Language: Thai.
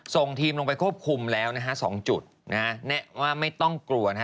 ส่งทีมลงไปควบคุมแล้วนะฮะ๒จุดนะฮะแนะว่าไม่ต้องกลัวนะฮะ